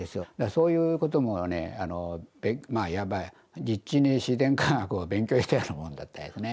そういうこともねまあいわば実地に自然科学を勉強したようなもんだったですね